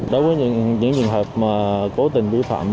đối với những trường hợp mà cố tình vi phạm